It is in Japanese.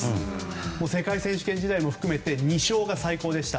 世界選手権時代も含めて２勝が最高でした。